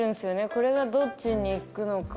これがどっちにいくのか。